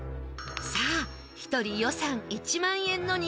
さあ１人予算１万円の肉料理。